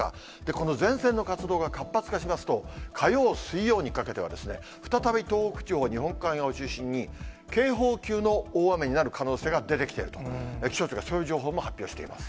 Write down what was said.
この前線の活動が活発化しますと、火曜、水曜にかけてはですね、再び東北地方、日本海側を中心に、警報級の大雨になる可能性が出てきてると、気象庁がそういう情報も発表しています。